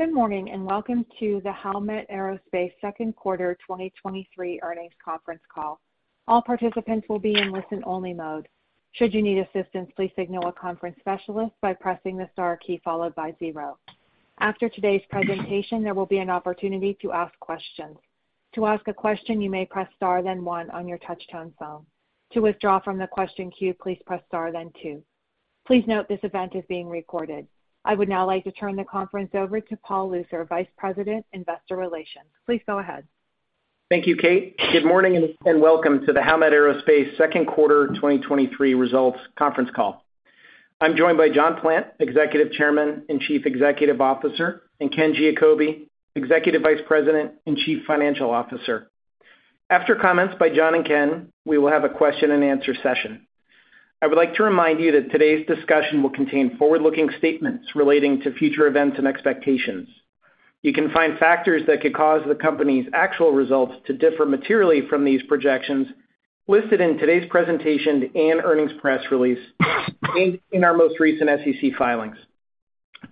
Good morning, and welcome to the Howmet Aerospace second quarter 2023 earnings conference call. All participants will be in listen-only mode. Should you need assistance, please signal a conference specialist by pressing the star key followed by zero. After today's presentation, there will be an opportunity to ask questions. To ask a question, you may press star, then one on your touchtone phone. To withdraw from the question queue, please press star, then two. Please note, this event is being recorded. I would now like to turn the conference over to Paul Luther, Vice President of Investor Relations. Please go ahead. Thank you, Kate. Good morning, and welcome to the Howmet Aerospace second quarter 2023 results conference call. I'm joined by John Plant, Executive Chairman and Chief Executive Officer, and Ken Giacobbe, Executive Vice President and Chief Financial Officer. After comments by John and Ken, we will have a question-and-answer session. I would like to remind you that today's discussion will contain forward-looking statements relating to future events and expectations. You can find factors that could cause the company's actual results to differ materially from these projections listed in today's presentation and earnings press release, and in our most recent SEC filings.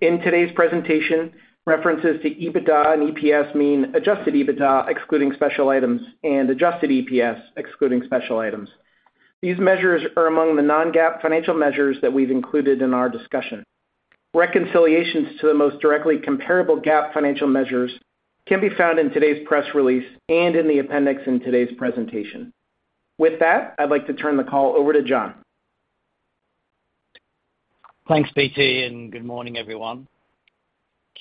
In today's presentation, references to EBITDA and EPS mean adjusted EBITDA, excluding special items, and adjusted EPS, excluding special items. These measures are among the non-GAAP financial measures that we've included in our discussion. Reconciliations to the most directly comparable GAAP financial measures can be found in today's press release and in the appendix in today's presentation. With that, I'd like to turn the call over to John. Thanks, PT. Good morning, everyone.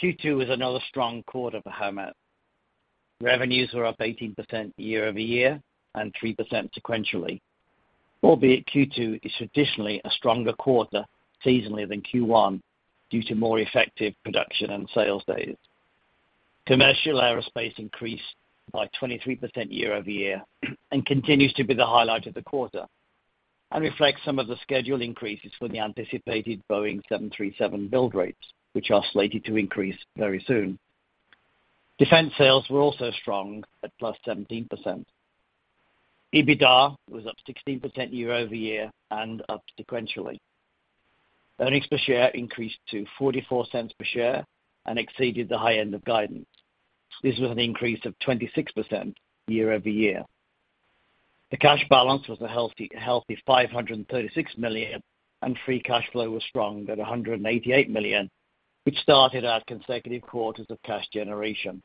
Q2 was another strong quarter for Howmet. Revenues were up 18% year-over-year and 3% sequentially, albeit Q2 is traditionally a stronger quarter seasonally than Q1 due to more effective production and sales days. Commercial aerospace increased by 23% year-over-year and continues to be the highlight of the quarter, and reflects some of the scheduled increases for the anticipated Boeing 737 build rates, which are slated to increase very soon. Defense sales were also strong at +17%. EBITDA was up 16% year-over-year and up sequentially. Earnings per share increased to $0.44 per share and exceeded the high end of guidance. This was an increase of 26% year-over-year. The cash balance was a healthy, healthy $536 million, and free cash flow was strong at $188 million, which started our consecutive quarters of cash generation.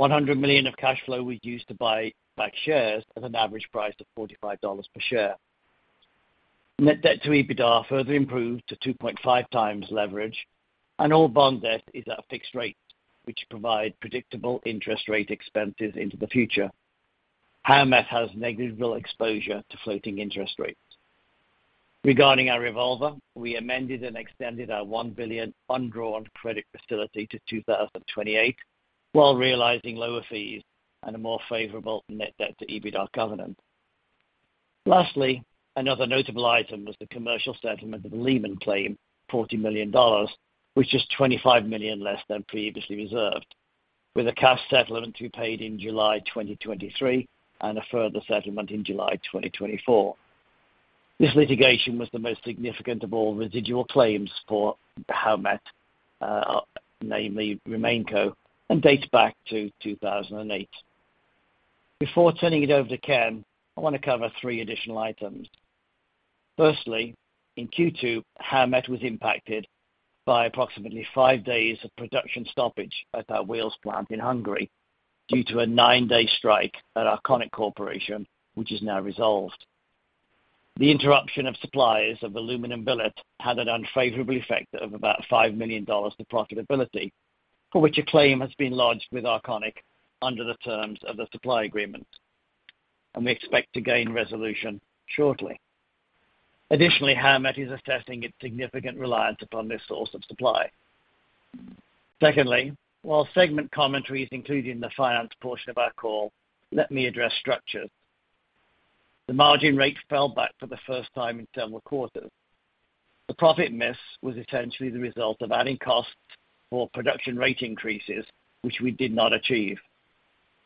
$100 million of cash flow was used to buy back shares at an average price of $45 per share. Net debt to EBITDA further improved to 2.5x leverage, and all bond debt is at a fixed rate, which provide predictable interest rate expenses into the future. Howmet has negligible exposure to floating interest rates. Regarding our revolver, we amended and extended our $1 billion undrawn credit facility to 2028, while realizing lower fees and a more favorable net debt to EBITDA covenant. Lastly, another notable item was the commercial settlement of a Lehman claim, $40 million, which is $25 million less than previously reserved, with a cash settlement to be paid in July 2023 and a further settlement in July 2024. This litigation was the most significant of all residual claims for Howmet, namely RemainCo, and dates back to 2008. Before turning it over to Ken, I want to cover three additional items. Firstly, in Q2, Howmet was impacted by approximately five days of production stoppage at our wheels plant in Hungary, due to a nine-day strike at Arconic Corporation, which is now resolved. The interruption of supplies of aluminum billet had an unfavorable effect of about $5 million to profitability, for which a claim has been lodged with Arconic under the terms of the supply agreement, and we expect to gain resolution shortly. Additionally, Howmet is assessing its significant reliance upon this source of supply. Secondly, while segment commentary is included in the finance portion of our call, let me address structures. The margin rate fell back for the first time in several quarters. The profit miss was essentially the result of adding costs for production rate increases, which we did not achieve.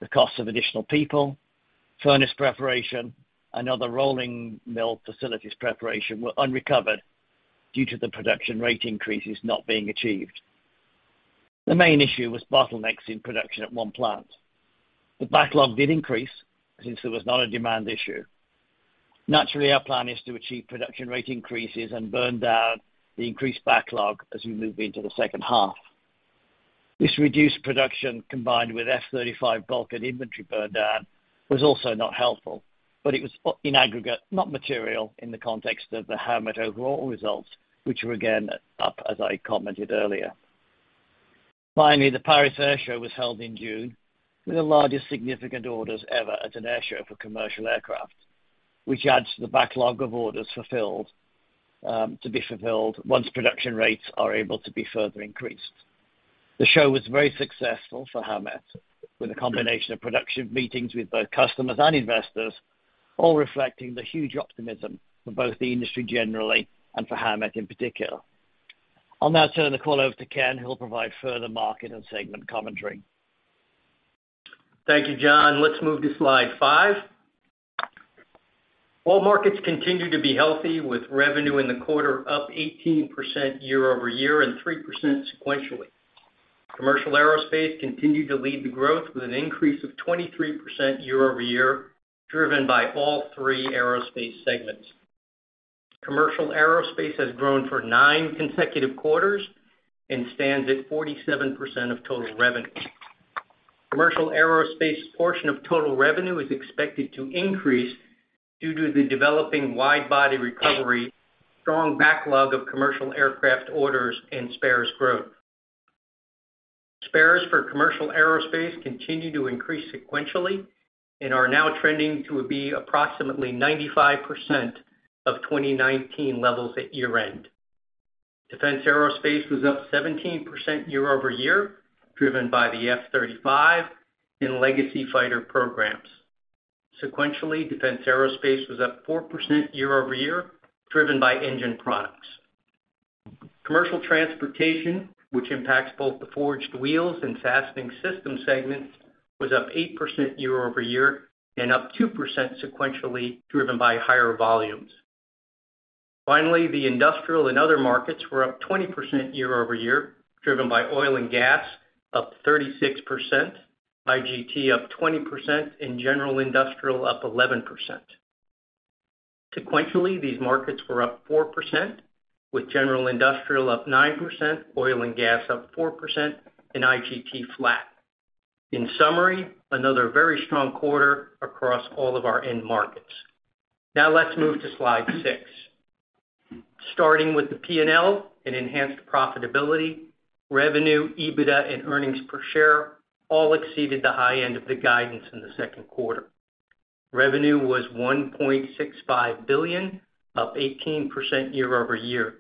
The cost of additional people, furnace preparation, and other rolling mill facilities preparation were unrecovered due to the production rate increases not being achieved. The main issue was bottlenecks in production at one plant. The backlog did increase since there was not a demand issue. Naturally, our plan is to achieve production rate increases and burn down the increased backlog as we move into the second half. This reduced production, combined with F-35 bulk and inventory burn down, was also not helpful, but it was in aggregate, not material in the context of the Howmet overall results, which were again, up, as I commented earlier. Finally, the Paris Air Show was held in June with the largest significant orders ever at an air show for commercial aircraft, which adds to the backlog of orders fulfilled, to be fulfilled once production rates are able to be further increased. The show was very successful for Howmet, with a combination of production meetings with both customers and investors, all reflecting the huge optimism for both the industry generally and for Howmet in particular. I'll now turn the call over to Ken, who will provide further market and segment commentary. Thank you, John. Let's move to slide five. All markets continue to be healthy, with revenue in the quarter up 18% year-over-year and 3% sequentially. Commercial aerospace continued to lead the growth, with an increase of 23% year-over-year, driven by all three aerospace segments. Commercial aerospace has grown for nine consecutive quarters and stands at 47% of total revenue. Commercial aerospace portion of total revenue is expected to increase due to the developing wide-body recovery, strong backlog of commercial aircraft orders, and spares growth. Spares for commercial aerospace continue to increase sequentially and are now trending to be approximately 95% of 2019 levels at year-end. Defense aerospace was up 17% year-over-year, driven by the F-35 and legacy fighter programs. Sequentially, defense aerospace was up 4% year-over-year, driven by Engine Products. Commercial transportation, which impacts both the Forged Wheels and Fastening Systems segments, was up 8% year-over-year and up 2% sequentially, driven by higher volumes. Finally, the industrial and other markets were up 20% year-over-year, driven by oil and gas, up 36%, IGT up 20%, and general industrial up 11%. Sequentially, these markets were up 4%, with general industrial up 9%, oil and gas up 4%, and IGT flat. In summary, another very strong quarter across all of our end markets. Now let's move to slide six. Starting with the P&L and enhanced profitability, revenue, EBITDA, and earnings per share all exceeded the high end of the guidance in the second quarter. Revenue was $1.65 billion, up 18% year-over-year.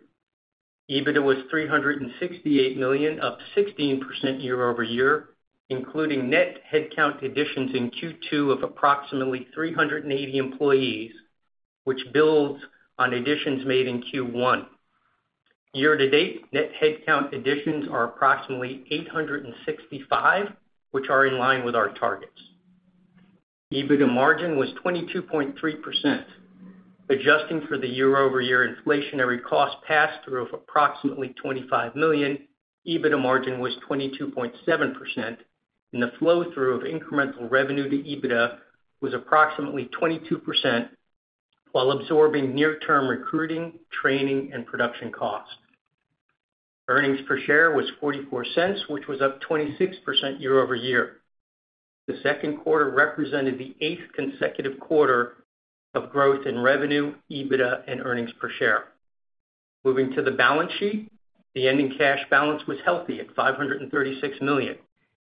EBITDA was $368 million, up 16% year-over-year, including net headcount additions in Q2 of approximately 380 employees, which builds on additions made in Q1. Year-to-date, net headcount additions are approximately 865, which are in line with our targets. EBITDA margin was 22.3%. Adjusting for the year-over-year inflationary cost pass-through of approximately $25 million, EBITDA margin was 22.7%, and the flow-through of incremental revenue to EBITDA was approximately 22%, while absorbing near-term recruiting, training, and production costs. Earnings per share was $0.44, which was up 26% year-over-year. The second quarter represented the eighth consecutive quarter of growth in revenue, EBITDA, and earnings per share. Moving to the balance sheet, the ending cash balance was healthy at $536 million,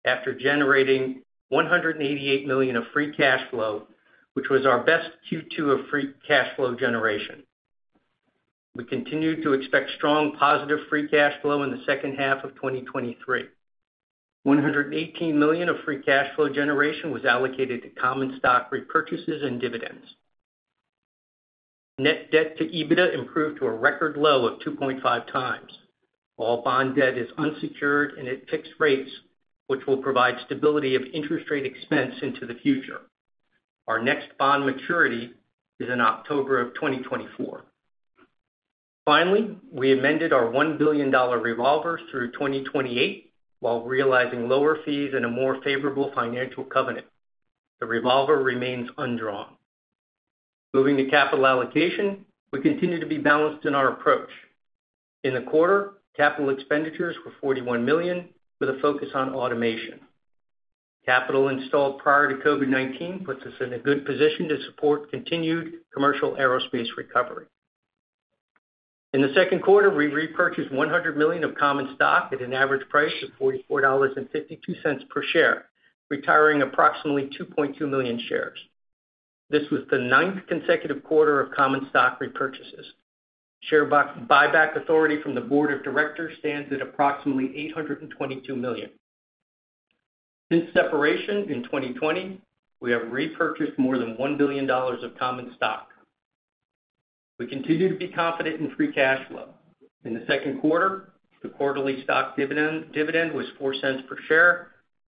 after generating $188 million of free cash flow, which was our best Q2 of free cash flow generation. We continue to expect strong, positive free cash flow in the second half of 2023. $118 million of free cash flow generation was allocated to common stock repurchases and dividends. Net debt to EBITDA improved to a record low of 2.5 times. All bond debt is unsecured and at fixed rates, which will provide stability of interest rate expense into the future. Our next bond maturity is in October of 2024. Finally, we amended our $1 billion revolvers through 2028, while realizing lower fees and a more favorable financial covenant. The revolver remains undrawn. Moving to capital allocation. We continue to be balanced in our approach. In the quarter, capital expenditures were $41 million, with a focus on automation. Capital installed prior to COVID-19 puts us in a good position to support continued commercial aerospace recovery. In the second quarter, we repurchased $100 million of common stock at an average price of $44.52 per share, retiring approximately $2.2 million shares. This was the ninth consecutive quarter of common stock repurchases. Share buyback authority from the board of directors stands at approximately $822 million. Since separation in 2020, we have repurchased more than $1 billion of common stock. We continue to be confident in free cash flow. In the second quarter, the quarterly stock dividend was $0.04 per share,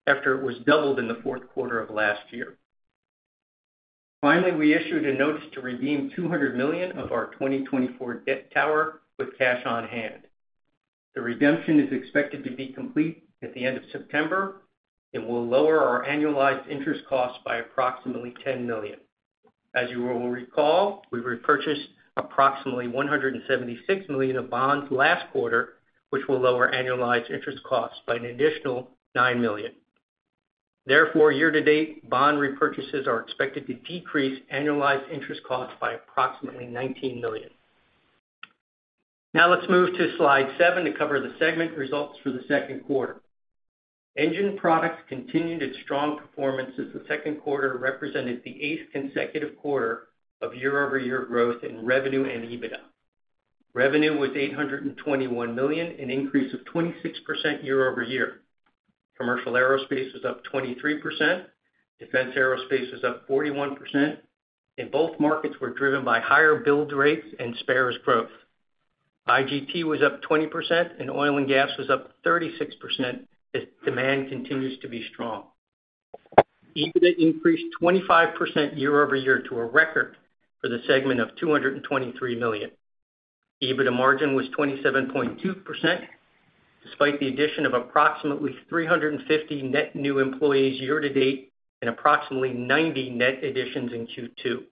after it was doubled in the fourth quarter of last year. Finally, we issued a notice to redeem $200 million of our 2024 Notes with cash on hand. The redemption is expected to be complete at the end of September and will lower our annualized interest costs by approximately $10 million. As you will recall, we repurchased approximately $176 million of bonds last quarter, which will lower annualized interest costs by an additional $9 million. Therefore, year-to-date, bond repurchases are expected to decrease annualized interest costs by approximately $19 million. Now let's move to slide seven to cover the segment results for the second quarter. Engine Products continued its strong performance as the second quarter represented the eighth consecutive quarter of year-over-year growth in revenue and EBITDA. Revenue was $821 million, an increase of 26% year-over-year. Commercial aerospace was up 23%, defense aerospace was up 41%, and both markets were driven by higher build rates and spares growth. IGT was up 20%, and oil and gas was up 36%, as demand continues to be strong. EBITDA increased 25% year-over-year to a record for the segment of $223 million. EBITDA margin was 27.2%, despite the addition of approximately 350 net new employees year-to-date, and approximately 90 net additions in Q2.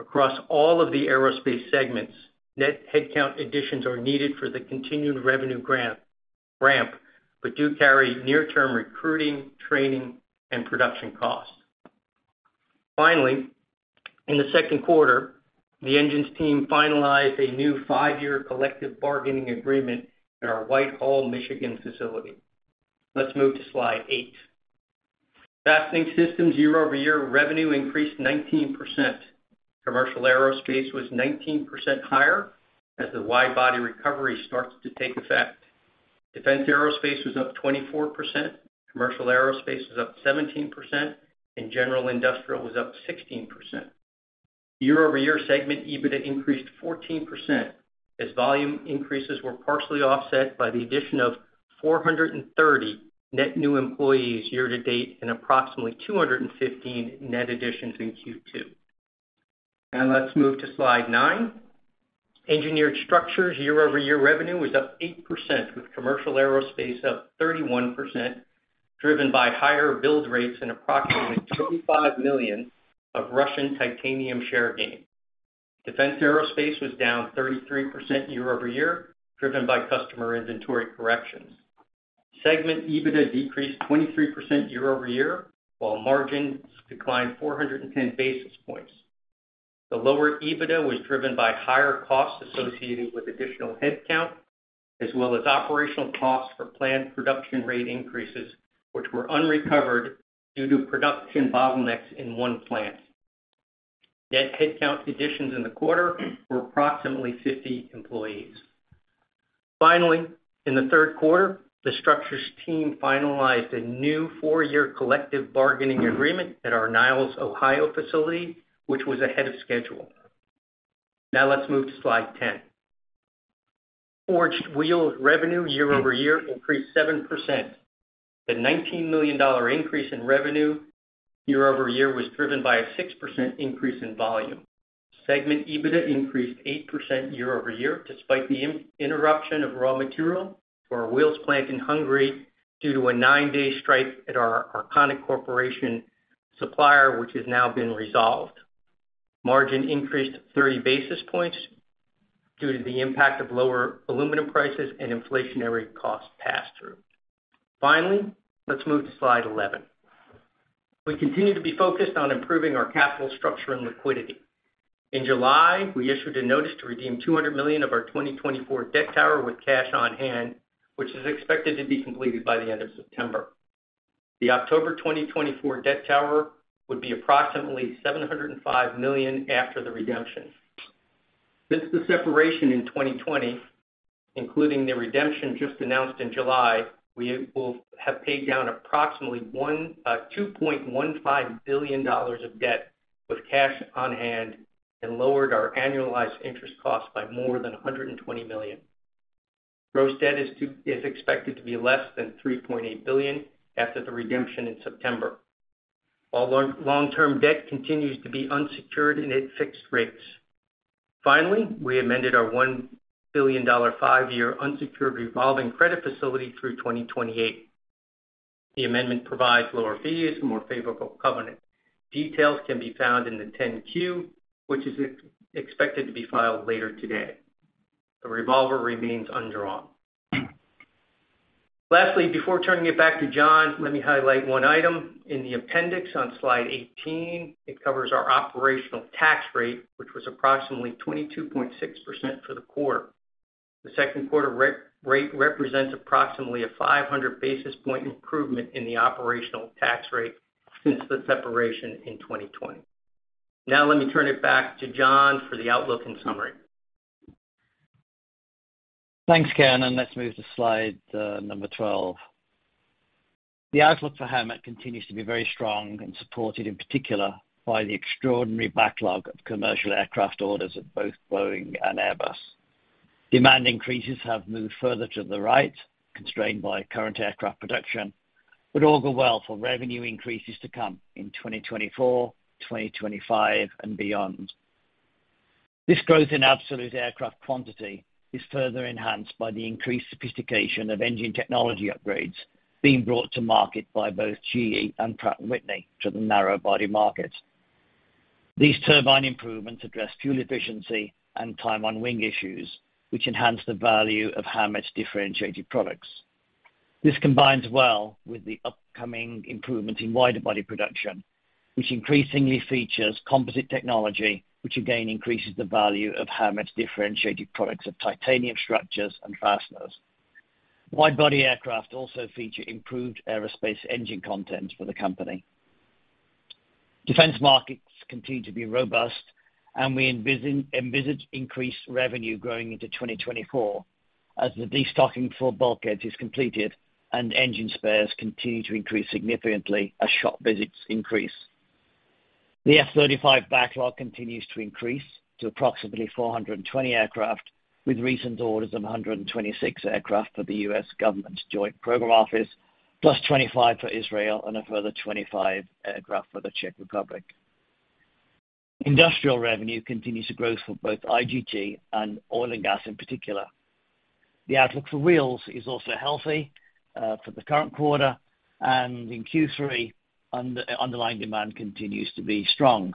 Across all of the aerospace segments, net headcount additions are needed for the continued revenue grant, ramp, but do carry near-term recruiting, training, and production costs. Finally, in the second quarter, the engines team finalized a new five-year collective bargaining agreement at our Whitehall, Michigan, facility. Let's move to slide eight. Fastening Systems, year-over-year revenue increased 19%. Commercial aerospace was 19% higher as the wide-body recovery starts to take effect. Defense aerospace was up 24%, commercial aerospace was up 17%, and general industrial was up 16%. Year-over-year segment EBITDA increased 14% as volume increases were partially offset by the addition of 430 net new employees year-to-date, and approximately 215 net additions in Q2. Now let's move to slide nine. Engineered Structures, year-over-year revenue was up 8%, with commercial aerospace up 31%, driven by higher build rates and approximately $35 million of Russian titanium share gain. Defense aerospace was down 33% year-over-year, driven by customer inventory corrections. Segment EBITDA decreased 23% year-over-year, while margins declined 410 basis points. The lower EBITDA was driven by higher costs associated with additional headcount, as well as operational costs for planned production rate increases, which were unrecovered due to production bottlenecks in one plant. Net headcount additions in the quarter were approximately 50 employees. Finally, in the third quarter, the structures team finalized a new four-year collective bargaining agreement at our Niles, Ohio, facility, which was ahead of schedule. Let's move to slide 10. Forged Wheels revenue year-over-year increased 7%. The $19 million increase in revenue year-over-year was driven by a 6% increase in volume. Segment EBITDA increased 8% year-over-year, despite the interruption of raw material for our wheels plant in Hungary, due to a nine-day strike at our Arconic Corporation supplier, which has now been resolved. Margin increased 30 basis points due to the impact of lower aluminum prices and inflationary cost pass-through. Finally, let's move to slide 11. We continue to be focused on improving our capital structure and liquidity. In July, we issued a notice to redeem $200 million of our 2024 debt tower with cash on hand, which is expected to be completed by the end of September. The October 2024 debt tower would be approximately $705 million after the redemption. Since the separation in 2020, including the redemption just announced in July, we will have paid down approximately $2.15 billion of debt with cash on hand and lowered our annualized interest costs by more than $120 million. Gross debt is expected to be less than $3.8 billion after the redemption in September, while long-term debt continues to be unsecured and at fixed rates. Finally, we amended our $1 billion five-year unsecured revolving credit facility through 2028. The amendment provides lower fees and more favorable covenants. Details can be found in the 10-Q, which is expected to be filed later today. The revolver remains undrawn. Lastly, before turning it back to John, let me highlight 1 item. In the appendix on slide 18, it covers our operational tax rate, which was approximately 22.6% for the quarter. The second quarter rate represents approximately a 500 basis point improvement in the operational tax rate since the separation in 2020. Now, let me turn it back to John for the outlook and summary. Thanks, Ken, let's move to slide number 12. The outlook for Howmet continues to be very strong and supported, in particular, by the extraordinary backlog of commercial aircraft orders at both Boeing and Airbus. Demand increases have moved further to the right, constrained by current aircraft production, but all go well for revenue increases to come in 2024, 2025, and beyond. This growth in absolute aircraft quantity is further enhanced by the increased sophistication of engine technology upgrades being brought to market by both GE and Pratt & Whitney to the narrow-body market. These turbine improvements address fuel efficiency and time on wing issues, which enhance the value of Howmet's differentiated products. This combines well with the upcoming improvement in wider body production, which increasingly features composite technology, which again increases the value of Howmet's differentiated products of titanium structures and fasteners. Wide-body aircraft also feature improved aerospace engine content for the company. Defense markets continue to be robust, and we envisage increased revenue growing into 2024 as the destocking for bulkheads is completed and engine spares continue to increase significantly as shop visits increase. The F-35 backlog continues to increase to approximately 420 aircraft, with recent orders of 126 aircraft for the U.S. Government's Joint Program Office, plus 25 for Israel and a further 25 aircraft for the Czech Republic. Industrial revenue continues to grow for both IGT and oil and gas in particular. The outlook for wheels is also healthy for the current quarter, and in Q3, underlying demand continues to be strong,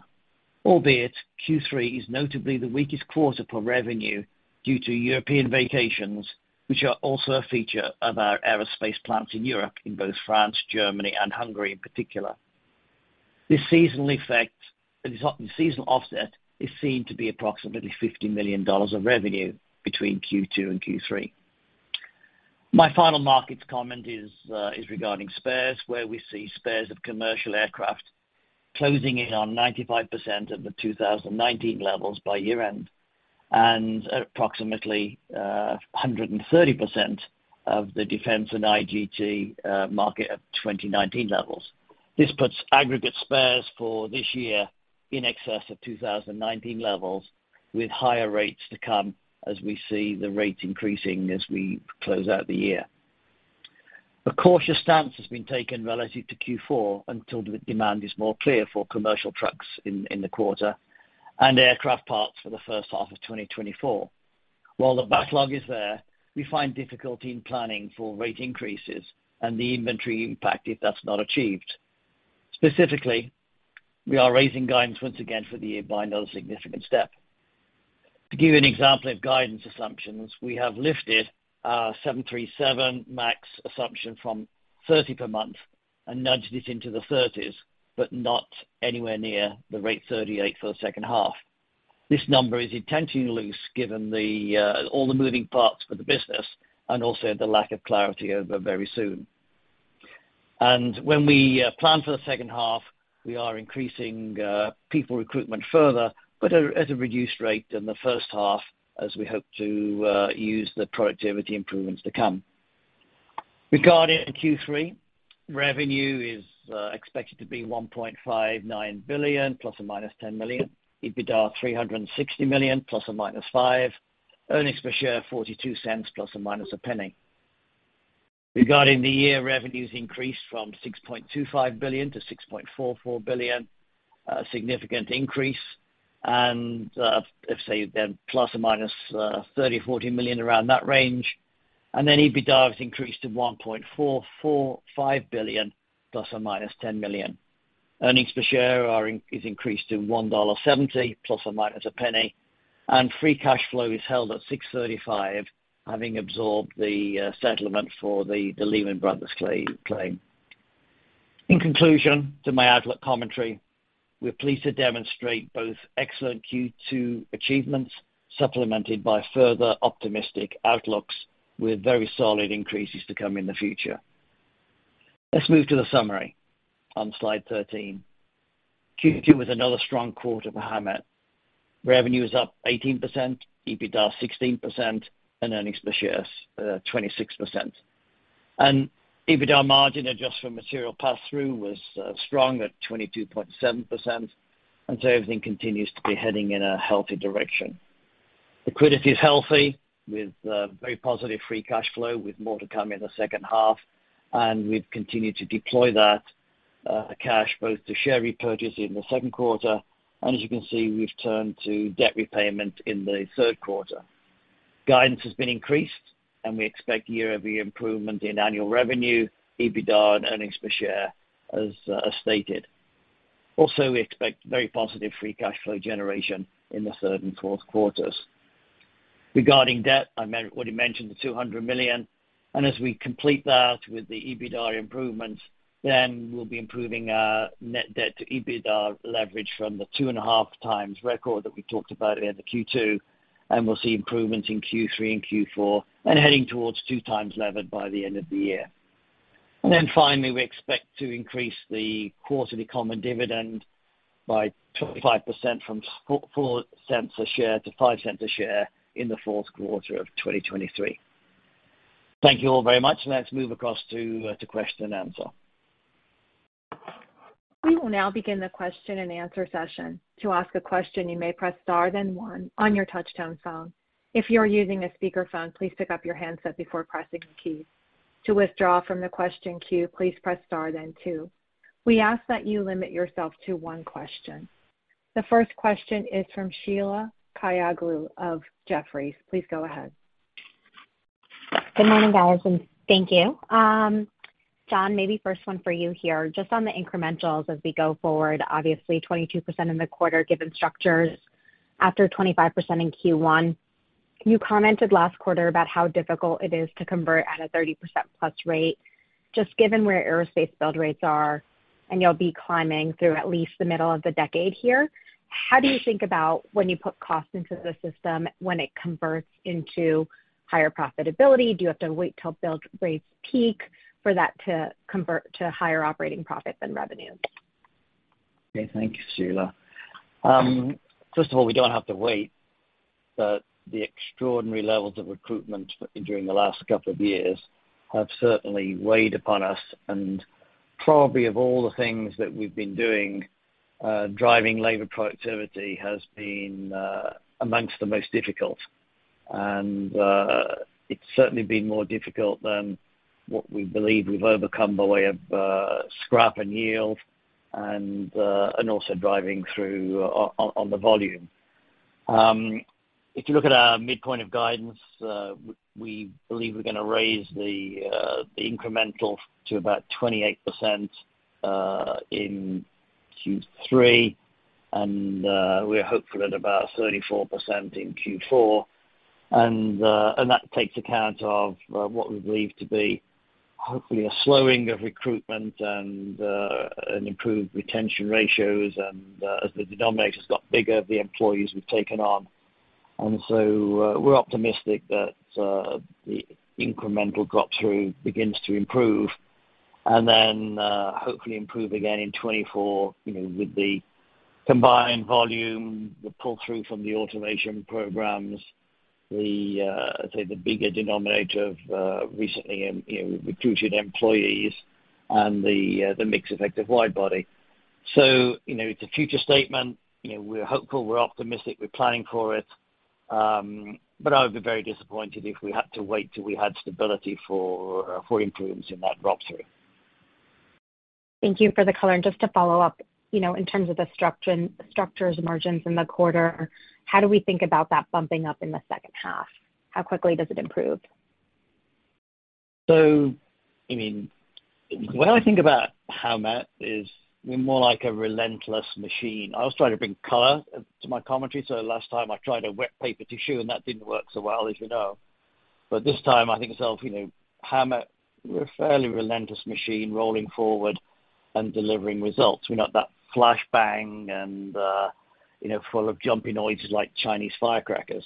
albeit Q3 is notably the weakest quarter for revenue due to European vacations, which are also a feature of our aerospace plants in Europe, in both France, Germany, and Hungary in particular. This seasonal effect, the seasonal offset, is seen to be approximately $50 million of revenue between Q2 and Q3. My final markets comment is regarding spares, where we see spares of commercial aircraft closing in on 95% of the 2019 levels by year-end, and approximately 130% of the defense and IGT market of 2019 levels. This puts aggregate spares for this year in excess of 2019 levels, with higher rates to come as we see the rates increasing as we close out the year. A cautious stance has been taken relative to Q4 until the demand is more clear for commercial trucks in the quarter and aircraft parts for the first half of 2024. While the backlog is there, we find difficulty in planning for rate increases and the inventory impact if that's not achieved. Specifically, we are raising guidance once again for the year by another significant step. To give you an example of guidance assumptions, we have lifted our Boeing 737 MAX assumption from 30 per month and nudged it into the 30s, but not anywhere near the rate 38 for the second half. This number is intentionally loose, given all the moving parts for the business and also the lack of clarity over very soon. When we plan for the second half, we are increasing people recruitment further, but at a reduced rate than the first half as we hope to use the productivity improvements to come. Regarding Q3, revenue is expected to be $1.59 billion, ±$10 million. EBITDA, $360 million, ±$5 million. Earnings per share, $0.42, ±$0.01. Regarding the year, revenues increased from $6.25 billion-$6.44 billion, a significant increase, let's say then ±$30 million-$40 million around that range. Then EBITDA was increased to $1.445 billion, ±$10 million. Earnings per share is increased to $1.70, ±$0.01. Free cash flow is held at $635, having absorbed the settlement for the Lehman Brothers claim. In conclusion to my outlook commentary, we're pleased to demonstrate both excellent Q2 achievements, supplemented by further optimistic outlooks with very solid increases to come in the future. Let's move to the summary on slide 13. Q2 was another strong quarter for Howmet. Revenue is up 18%, EBITDA 16%, earnings per share 26%. EBITDA margin, adjusted for material pass-through, was strong at 22.7%. Everything continues to be heading in a healthy direction. Liquidity is healthy, with very positive free cash flow, with more to come in the second half. We've continued to deploy that cash, both to share repurchase in the second quarter, and as you can see, we've turned to debt repayment in the third quarter. Guidance has been increased. We expect year-over-year improvement in annual revenue, EBITDA, and earnings per share, as stated. Also, we expect very positive free cash flow generation in the third and fourth quarters. Regarding debt, I already mentioned the $200 million. As we complete that with the EBITDA improvements, we'll be improving our net debt to EBITDA leverage from the 2.5x record that we talked about in the Q2, and we'll see improvements in Q3 and Q4, heading towards 2x levered by the end of the year. Finally, we expect to increase the quarterly common dividend by 25% from $0.04 a share to $0.05 a share in the fourth quarter of 2023. Thank you all very much. Let's move across to question and answer. We will now begin the question and answer session. To ask a question, you may press star, then one on your touchtone phone. If you are using a speakerphone, please pick up your handset before pressing the keys. To withdraw from the question queue, please press star, then two. We ask that you limit yourself to one question. The first question is from Sheila Kahyaoglu of Jefferies. Please go ahead. Good morning, guys, and thank you. John, maybe first one for you here, just on the incrementals as we go forward, obviously 22% in the quarter, given structures after 25% in Q1. You commented last quarter about how difficult it is to convert at a 30%+ rate, just given where aerospace build rates are, and you'll be climbing through at least the middle of the decade here. How do you think about when you put cost into the system, when it converts into higher profitability? Do you have to wait till build rates peak for that to convert to higher operating profit than revenue? Okay. Thank you, Sheila. first of all, we don't have to wait. The extraordinary levels of recruitment during the last couple of years have certainly weighed upon us, and probably of all the things that we've been doing, driving labor productivity has been amongst the most difficult. It's certainly been more difficult than what we believe we've overcome by way of scrap and yield, and also driving through on the volume. If you look at our midpoint of guidance, we believe we're gonna raise the incremental to about 28% in Q3, and we're hopeful at about 34% in Q4. That takes account of what we believe to be, hopefully, a slowing of recruitment and an improved retention ratios. As the denominators got bigger, the employees we've taken on. We're optimistic that the incremental drop-through begins to improve, and then, hopefully improve again in 2024, you know, with the combined volume, the pull-through from the automation programs, the, say, the bigger denominator of recently, you know, recruited employees and the mix effect of wide body. You know, it's a future statement. You know, we're hopeful, we're optimistic, we're planning for it. I would be very disappointed if we had to wait till we had stability for improvements in that drop-through. Thank you for the color. Just to follow up, you know, in terms of the structure, structures margins in the quarter, how do we think about that bumping up in the second half? How quickly does it improve? I mean, when I think about how Howmet is more like a relentless machine, I always try to bring color to my commentary. Last time I tried a wet paper tissue, and that didn't work so well, as you know. This time I think to myself, you know, Howmet, we're a fairly relentless machine, rolling forward and delivering results. We're not that flash bang and, you know, full of jumpy noises like Chinese firecrackers.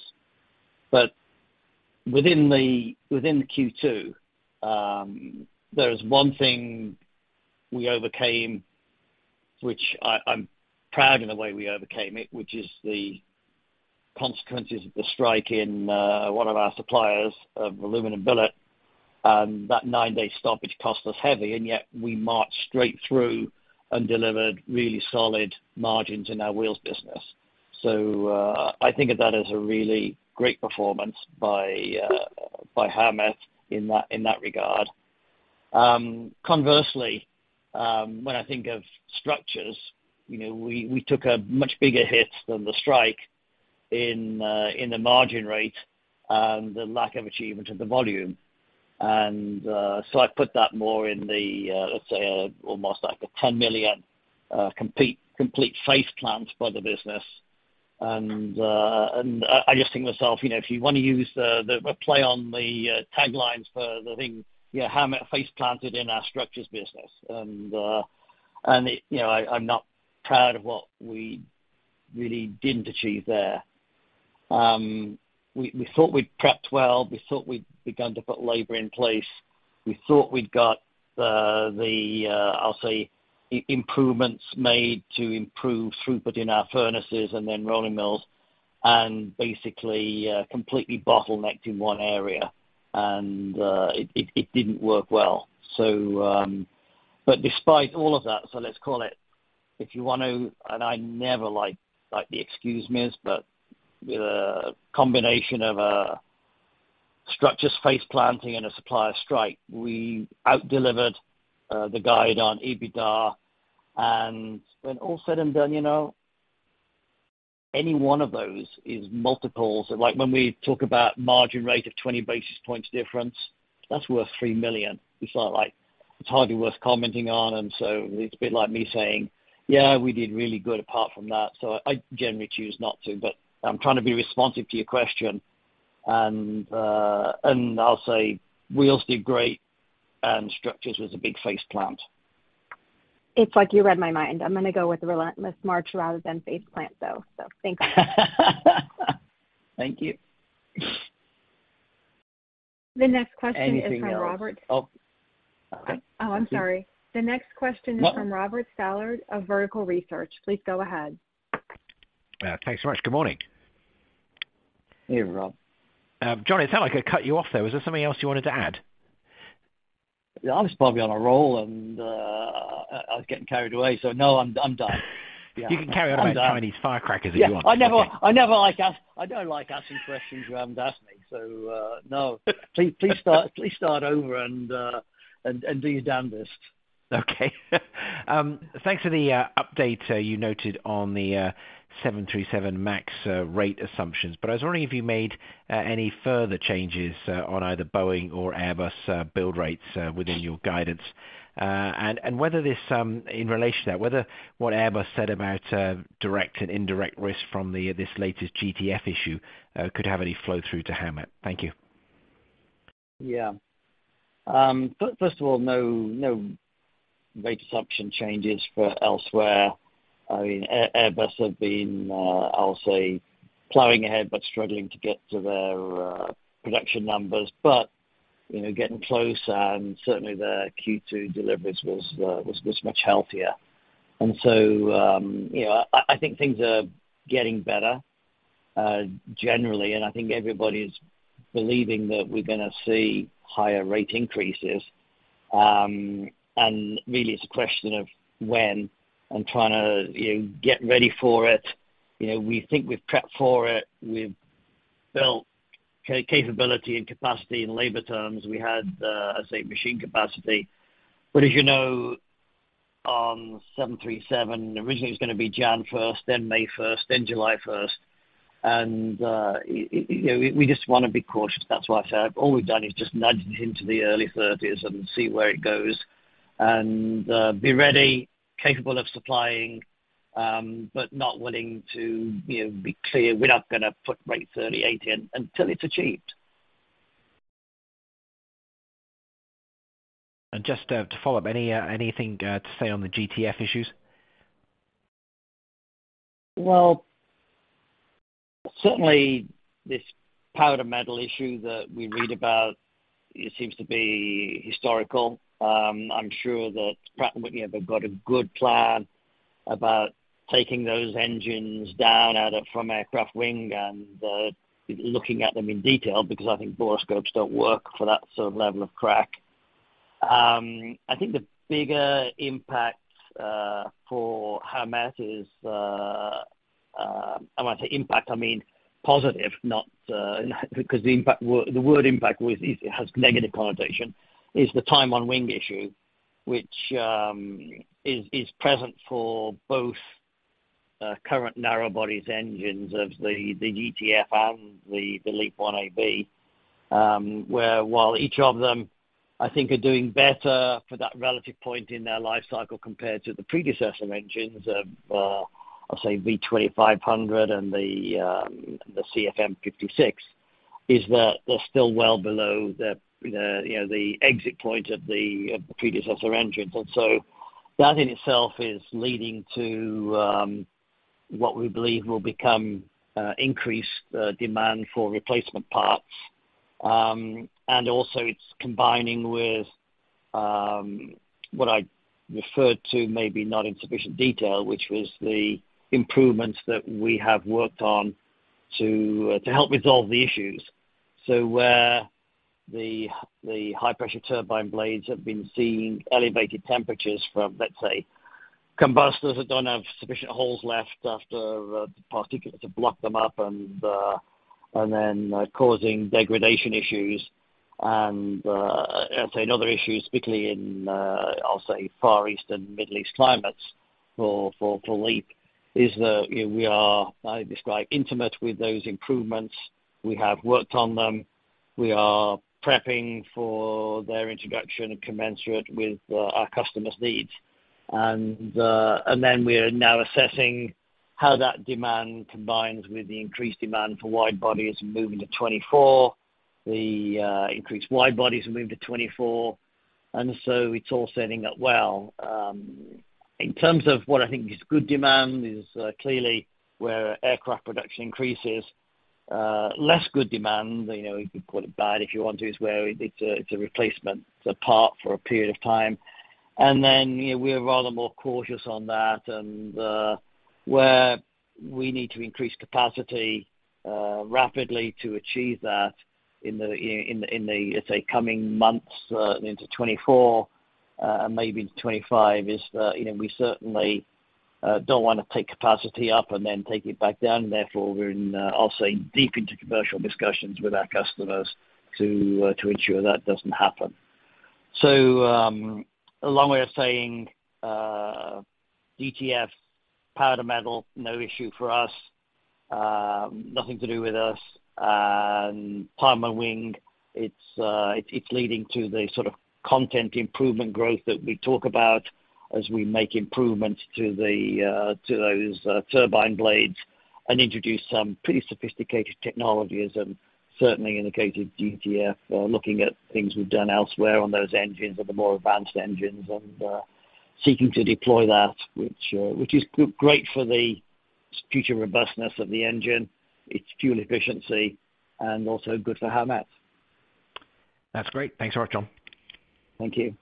Within the, within the Q2, there is one thing we overcame, which I, I'm proud in the way we overcame it, which is the consequences of the strike in one of our suppliers of aluminum billet. That nine-day stoppage cost us heavy, and yet we marched straight through and delivered really solid margins in our wheels business. I think of that as a really great performance by Howmet in that, in that regard. Conversely, when I think of structures, you know, we, we took a much bigger hit than the strike in the margin rate and the lack of achievement of the volume. I put that more in the, let's say, almost like a $10 million, complete, complete face plant for the business. I, I just think to myself, you know, if you want to use the, the, a play on the taglines for the thing, you know, Howmet face planted in our structures business. It, you know, I, I'm not proud of what we really didn't achieve there. We, we thought we'd prepped well. We thought we'd begun to put labor in place. We thought we'd got the improvements made to improve throughput in our furnaces then rolling mills, basically completely bottlenecked in one area. It didn't work well. Despite all of that, let's call it, if you want to, I never like the excuse me, the combination of a structures face planting and a supplier strike, we out delivered the guide on EBITDA. When all said and done, you know, any one of those is multiples. When we talk about margin rate of 20 basis points difference, that's worth $3 million. It's not like it's hardly worth commenting on. It's a bit like me saying, "Yeah, we did really good apart from that." I generally choose not to, I'm trying to be responsive to your question. I'll say, wheels did great, and structures was a big face plant. It's like you read my mind. I'm gonna go with the relentless march rather than face plant, though. Thank God. Thank you. The next question- Anything else? Is from Robert. Oh. Oh, I'm sorry. The next question is from Robert Stallard of Vertical Research. Please go ahead. Thanks so much. Good morning. Hey, Rob. Johnny, it sounds like I cut you off there. Was there something else you wanted to add? I was probably on a roll, and I was getting carried away, so no, I'm, I'm done. You can carry on with- I'm done.... Chinese firecrackers if you want. I don't like asking questions you haven't asked me, so no. Please start, please start over, and do your damnedest. Okay. Thanks for the update, you noted on the 737 MAX rate assumptions. I was wondering if you made any further changes on either Boeing or Airbus build rates within your guidance? Whether this, in relation to that, whether what Airbus said about direct and indirect risk from this latest GTF issue could have any flow-through to Howmet? Thank you. Yeah. First of all, no, no rate assumption changes for elsewhere. I mean, Airbus have been, I'll say, plowing ahead, but struggling to get to their production numbers, but you know, getting close, and certainly the Q2 deliveries was, was, was much healthier. So, you know, I, I think things are getting better, generally, and I think everybody's believing that we're gonna see higher rate increases. Really, it's a question of when and trying to, you know, get ready for it. You know, we think we've prepped for it. We've built capability and capacity in labor terms. We had, I'd say, machine capacity. As you know, on 737, originally it was gonna be January 1st, then May 1st, then July 1st, and you know, we, we just wanna be cautious. That's why I said, all we've done is just nudged into the early 30s and see where it goes, and be ready, capable of supplying, but not willing to, you know, be clear, we're not gonna put rate 38 in until it's achieved. Just, to follow up, any, anything, to say on the GTF issues? Well, certainly this powder metal issue that we read about, it seems to be historical. I'm sure that Pratt & Whitney have got a good plan about taking those engines down from aircraft wing and looking at them in detail, because I think borescopes don't work for that sort of level of crack. I think the bigger impact for Howmet is, I want to say impact, I mean, positive, not, because the impact the word impact with it has negative connotation, is the time on wing issue, which is present for both current narrow bodies engines of the GTF and the LEAP-1A/1B. Where while each of them, I think, are doing better for that relative point in their life cycle compared to the predecessor engines of, I'll say V2500 and the CFM56, is that they're still well below the, the, you know, the exit point of the, of the predecessor engines. So, that in itself is leading to, what we believe will become increased demand for replacement parts. Also it's combining with, what I referred to, maybe not in sufficient detail, which was the improvements that we have worked on to help resolve the issues. So where the high pressure turbine blades have been seeing elevated temperatures from, let's say, combustors that don't have sufficient holes left after particulates have blocked them up, and then causing degradation issues. I'd say another issue, especially in, I'll say Far East and Middle East climates for, for, for LEAP, is that, you know, we are, I describe, intimate with those improvements. We have worked on them. We are prepping for their introduction and commensurate with our customers' needs. Then we are now assessing how that demand combines with the increased demand for wide bodies moving to 2024, the increased wide bodies move to 2024, and so it's all setting up well. In terms of what I think is good demand is clearly where aircraft production increases, less good demand, you know, you could call it bad if you want to, is where it's a, it's a replacement part for a period of time. Then, you know, we're rather more cautious on that, and where we need to increase capacity rapidly to achieve that in the coming months into 2024, and maybe into 2025, is that, you know, we certainly don't wanna take capacity up and then take it back down. Therefore, we're in, I'll say, deep into commercial discussions with our customers to ensure that doesn't happen. A long way of saying, GTF, powder metal, no issue for us. Nothing to do with us. Time on wing, it's, it's, it's leading to the sort of content improvement growth that we talk about as we make improvements to the, to those, turbine blades and introduce some pretty sophisticated technologies and certainly indicated GTF, looking at things we've done elsewhere on those engines and the more advanced engines, and, seeking to deploy that, which, which is great for the future robustness of the engine, its fuel efficiency, and also good for Howmet. That's great. Thanks a lot, John. Thank you.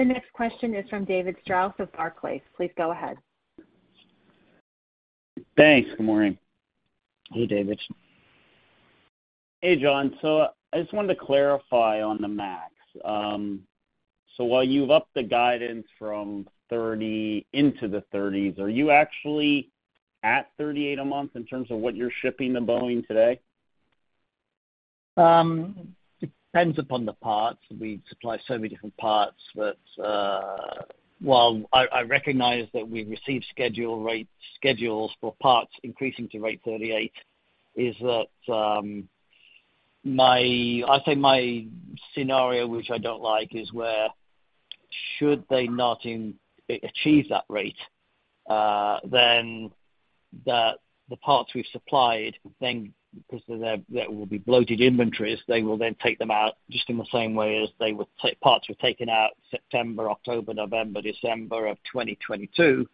The next question is from David Strauss of Barclays. Please go ahead. Thanks. Good morning. Hey, David. Hey, John. I just wanted to clarify on the MAX. While you've upped the guidance from 30 into the 30s, are you actually at 38 a month in terms of what you're shipping to Boeing today? Depends upon the parts. We supply so many different parts that, while I recognize that we've received schedule rate, schedules for parts increasing to rate 38, is that my scenario, which I don't like, is where should they not achieve that rate, then the parts we've supplied, then because there will be bloated inventories, they will then take them out just in the same way as they would parts were taken out September, October, November, December of 2022.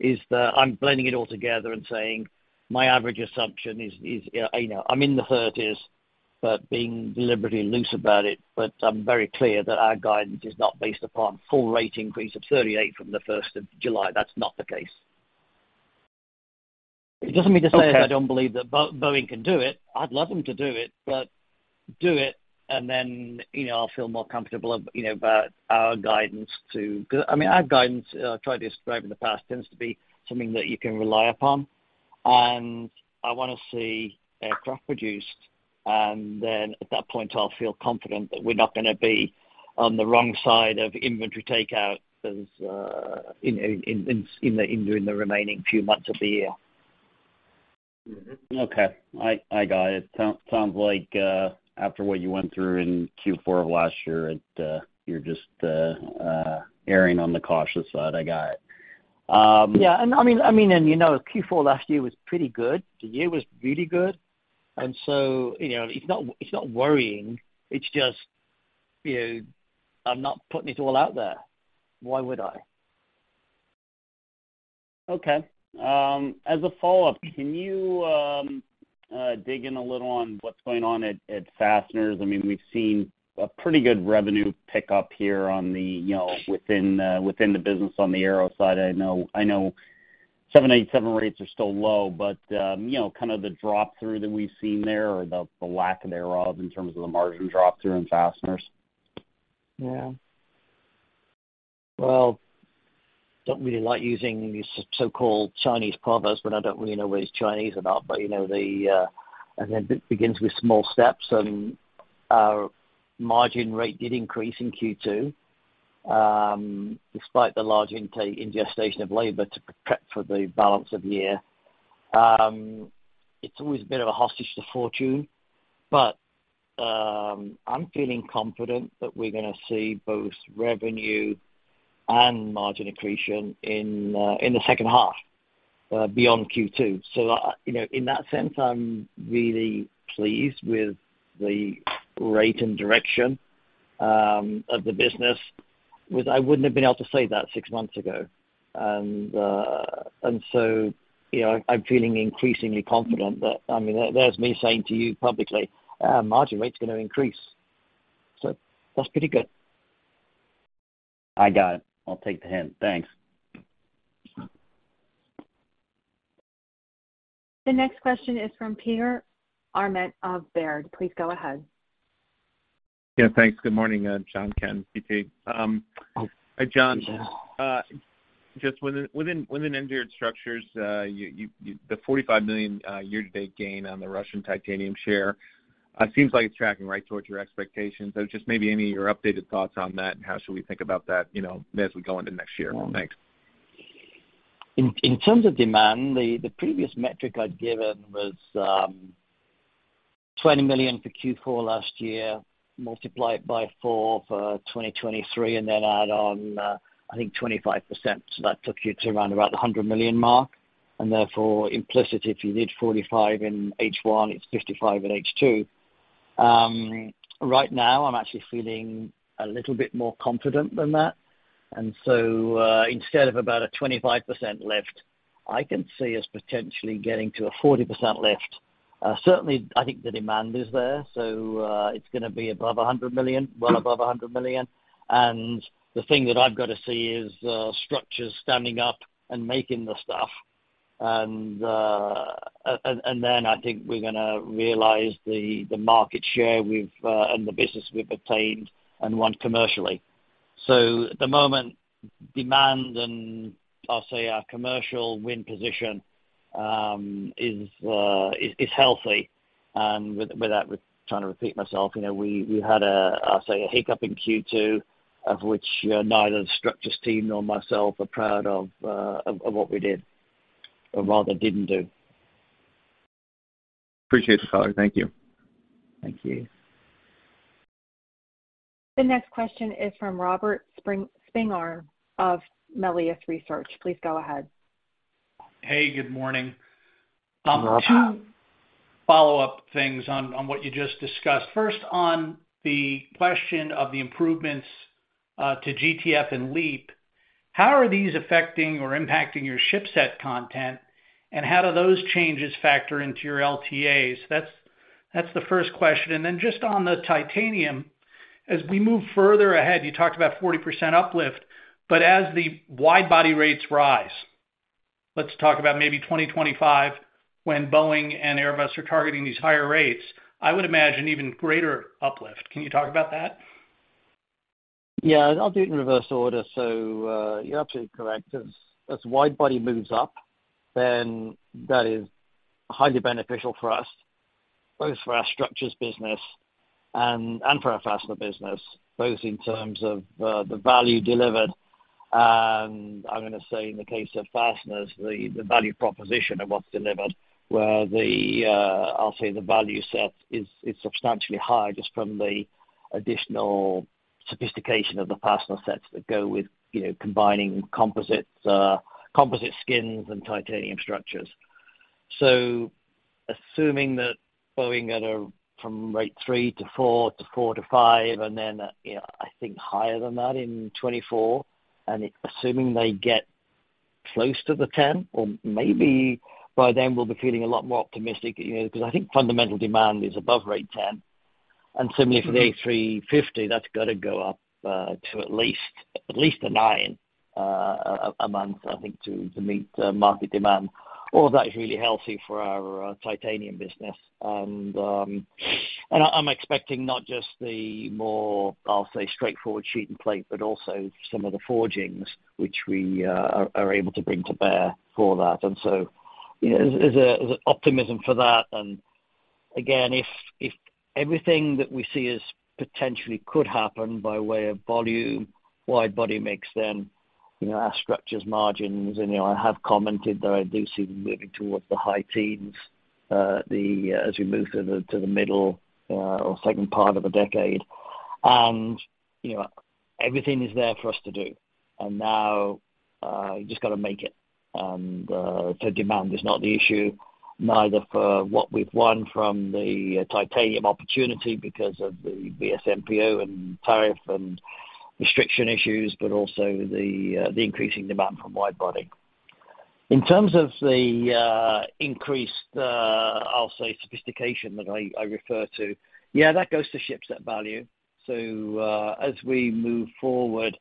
Is that I'm blending it all together and saying my average assumption is, you know, I'm in the 30s, but being deliberately loose about it. I'm very clear that our guidance is not based upon full rate increase of 38 from the 1st of July. That's not the case. It doesn't mean to say I don't believe that Boeing can do it. I'd love them to do it. Do it, and then, you know, I'll feel more comfortable, you know, about our guidance. I mean, our guidance, I've tried to describe in the past, tends to be something that you can rely upon, and I want to see aircraft produced, and then at that point, I'll feel confident that we're not going to be on the wrong side of inventory takeouts as in the remaining few months of the year. Okay. I, I got it. Sound, sounds like, after what you went through in Q4 of last year, it, you're just erring on the cautious side. I got it. Yeah, I mean, I mean, you know, Q4 last year was pretty good. The year was really good. You know, it's not, it's not worrying. It's just, you know, I'm not putting it all out there. Why would I? Okay. as a follow-up, can you dig in a little on what's going on at, at Fasteners? I mean, we've seen a pretty good revenue pickup here on the, you know, within the business on the aero side. I know, I know 787 rates are still low, but, you know, kind of the drop through that we've seen there or the, the lack thereof in terms of the margin drop through and Fasteners. Well, don't really like using these so-called Chinese proverbs, but I don't really know what it's Chinese about. You know, the, and then it begins with small steps, and our margin rate did increase in Q2 despite the large infestation of labor to prep for the balance of the year. It's always a bit of a hostage to fortune, but I'm feeling confident that we're gonna see both revenue and margin accretion in the second half beyond Q2. I, you know, in that sense, I'm really pleased with the rate and direction of the business, which I wouldn't have been able to say that six months ago. You know, I'm feeling increasingly confident that, I mean, there's me saying to you publicly, our margin rate is going to increase. That's pretty good. I got it. I'll take the hint. Thanks. The next question is from Peter Arment of Baird. Please go ahead. Yeah, thanks. Good morning, John, Ken, PT. Hi, John. Yeah. Just within Engineered Structures, you, the $45 million year-to-date gain on the Russian titanium share seems like it's tracking right towards your expectations. Just maybe any of your updated thoughts on that, and how should we think about that, you know, as we go into next year? Thanks. In terms of demand, the previous metric I'd given was $20 million for Q4 last year, multiply it by four for 2023, then add on, I think 25%. That took you to around about the $100 million mark, and therefore implicit, if you did $45 million in H1, it's $55 million in H2. Right now, I'm actually feeling a little bit more confident than that. Instead of about a 25% lift, I can see us potentially getting to a 40% lift. Certainly, I think the demand is there, it's gonna be above $100 million, well above $100 million. The thing that I've got to see is Structures standing up and making the stuff. Then I think we're gonna realize the market share we've and the business we've obtained and won commercially. At the moment, demand and I'll say our commercial win position is, is healthy. Without trying to repeat myself, you know, we, we had a, I'll say, a hiccup in Q2, of which neither the structures team nor myself are proud of, of what we did, or rather didn't do. Appreciate the call. Thank you. Thank you. The next question is from Robert Spingarn of Melius Research. Please go ahead. Hey, good morning. Good morning. Two follow-up things on, on what you just discussed. First, on the question of the improvements to GTF and LEAP, how are these affecting or impacting your ship set content? How do those changes factor into your LTAs? That's, that's the first question. Then just on the titanium, as we move further ahead, you talked about 40% uplift, but as the wide body rates rise, let's talk about maybe 2025, when Boeing and Airbus are targeting these higher rates, I would imagine even greater uplift. Can you talk about that? Yeah, I'll do it in reverse order. You're absolutely correct. As wide body moves up, then that is highly beneficial for us, both for our structures business and for our fastener business, both in terms of the value delivered. I'm going to say in the case of fasteners, the value proposition of what's delivered, where the, I'll say the value set is, is substantially higher just from the additional sophistication of the fastener sets that go with, you know, combining composites, composite skins and titanium structures. Assuming that Boeing at a, from rate three to four, to four to five, and then, you know, I think higher than that in 2024, and assuming they get close to the 10, or maybe by then we'll be feeling a lot more optimistic, you know, because I think fundamental demand is above rate 10. Similarly, for the A350, that's got to go up to at least, at least a nine a month, I think, to meet the market demand. All that is really healthy for our titanium business. And I'm expecting not just the more, I'll say, straightforward sheet and plate, but also some of the forgings, which we are able to bring to bear for that. You know, there's, there's a optimism for that. Again, if, if everything that we see as potentially could happen by way of volume, wide body mix, then, you know, our structures, margins, and you know, I have commented that I do see them moving towards the high teens, as we move to the middle or second part of the decade. You know, everything is there for us to do. Now, you just gotta make it. So demand is not the issue, neither for what we've won from the titanium opportunity because of the VSMPO and tariff and restriction issues, but also the increasing demand from wide body. In terms of the increased, I'll say, sophistication that I refer to, yeah, that goes to shipset value. As we move forward,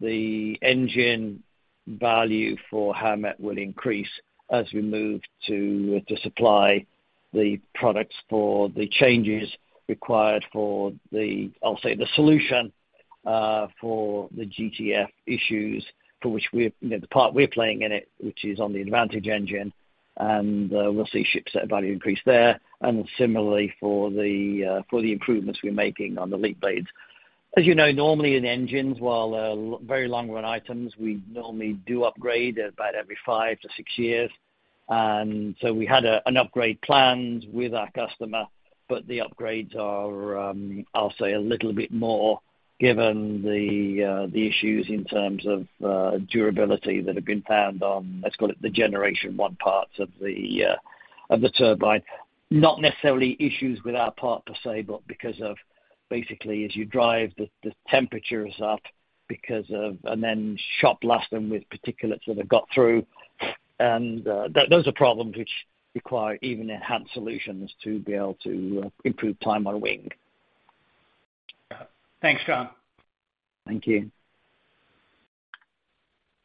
the engine value for Howmet will increase as we move to supply the products for the changes required for the, I'll say, the solution for the GTF issues, for which we've the part we're playing in it, which is on the Advantage engine, and we'll see shipset value increase there, and similarly for the improvements we're making on the LEAP blades. As you know, normally in engines, while very long run items, we normally do upgrade about every five to six years. We had an upgrade planned with our customer, but the upgrades are, I'll say, a little bit more, given the issues in terms of durability that have been found on, let's call it, the generation one part of the turbine. Not necessarily issues with our part per se, but because of basically as you drive the, the temperatures up, because of, and then shop blast them with particulates that have got through. That, those are problems which require even enhanced solutions to be able to improve time on wing. Thanks, John. Thank you.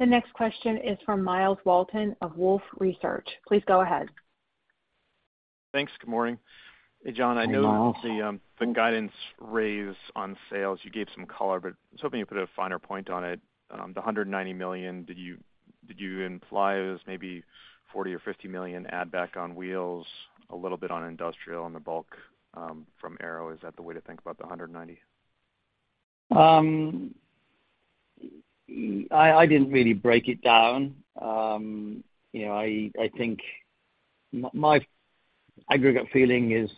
The next question is from Myles Walton of Wolfe Research. Please go ahead. Thanks. Good morning. Hey, John, I know- Miles. The guidance raise on sales, you gave some color, but I was hoping you'd put a finer point on it. The $190 million, did you, did you imply it was maybe $40 million or $50 million add back on wheels, a little bit on industrial and the bulk, from Aero? Is that the way to think about the $190 million? I, I didn't really break it down. You know, I, I think my aggregate feeling is